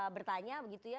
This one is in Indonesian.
bertanya begitu ya